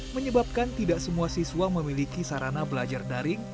menyebabkan tidak semua siswa memiliki sarana belajar daring